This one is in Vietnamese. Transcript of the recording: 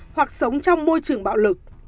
hoặc sống trong môi trường bạo lực